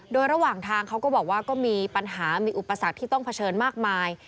โดยระหว่างทางเขาก็บอกว่าก็มีปัญหามีอุปสรรคที่ต้องเผชิญมากมาย